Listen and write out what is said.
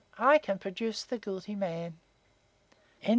I can produce the guilty man!" XXVI.